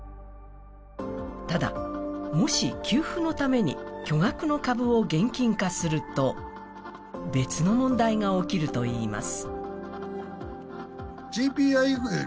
ただ、もし給付のために巨額の株を現金化すると、別の問題が起きるといいます。